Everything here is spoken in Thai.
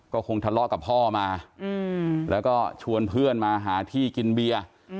ก็คงทะเลาะกับพ่อมาแล้วก็ชวนเพื่อนมาหาที่กินเบียร์